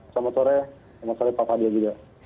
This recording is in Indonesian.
selamat sore selamat sore pak fadil juga